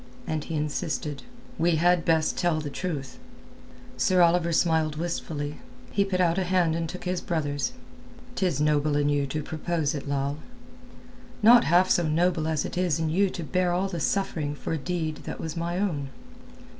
And he insisted—"We had best tell the truth." Sir Oliver smiled wistfully. He put out a hand and took his brother's. "'Tis noble in you to propose it, Lal." "Not half so noble as it is in you to bear all the suffering for a deed that was my own."